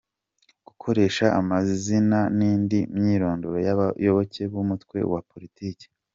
•Gukoresha amazina n’indi myirondoro y’abayoboke b’Umutwe wa Politiki